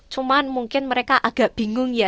cuman mungkin mereka agak bingung ya